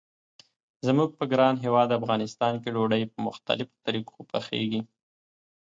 زموږ په ګران هیواد افغانستان کې ډوډۍ په مختلفو طریقو پخیږي.